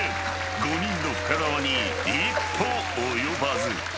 ［５人の深澤に一歩及ばず］